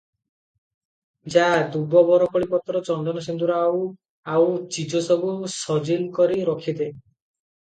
ଯା, ଦୂବ ବରକୋଳିପତ୍ର ଚନ୍ଦନ ସିନ୍ଦୂର ଆଉ ଆଉ ଚିଜ ସବୁ ସଜିଲ କରି ରଖି ଦେ ।